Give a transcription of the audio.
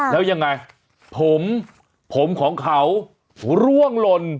แล้วยังไงผมของเขาล่วงลน